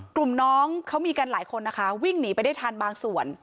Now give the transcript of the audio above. น้องเขามีกันหลายคนนะคะวิ่งหนีไปได้ทันบางส่วน